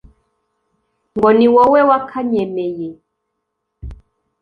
ngo ni wowe wakanyemeye